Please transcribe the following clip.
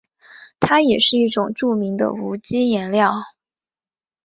它也是一种著名的无机颜料。